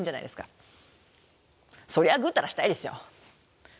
そりゃぐうたらしたいですよ。